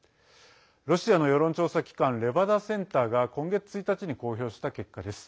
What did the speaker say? ロシアの世論調査機関レバダセンターが今月１日に公表した結果です。